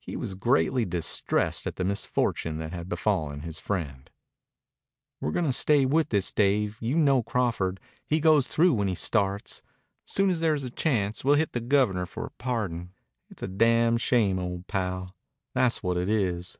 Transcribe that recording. He was greatly distressed at the misfortune that had befallen his friend. "We're gonna stay with this, Dave. You know Crawford. He goes through when he starts. Soon as there's a chance we'll hit the Governor for a pardon. It's a damn shame, old pal. Tha's what it is."